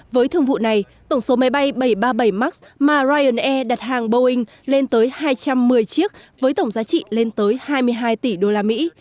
với thương vụ này tổng số máy bay bảy trăm ba mươi bảy max mà ryanair đặt hàng boeing lên tới hai trăm một mươi chiếc với tổng giá trị lên tới hai mươi hai tỷ đô la mỹ